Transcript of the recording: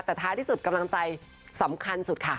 แต่ท้ายที่สุดกำลังใจสำคัญสุดค่ะ